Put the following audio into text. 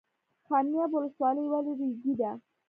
خمیاب ولسوالۍ ولې ریګي ده؟